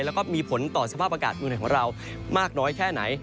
แล้วก็มีผลต่อสภาพอากาศเมืองไหนของเรามากน้อยแค่ไหน